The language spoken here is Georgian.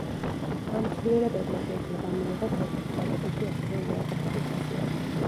ამ ცვლილებებმა შეიძლება მიიღოს როგორც დადებითი, ასევე უარყოფითი ხასიათი.